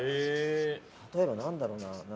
例えば、何だろうな。